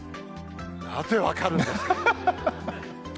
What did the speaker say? なぜ分かるんですか？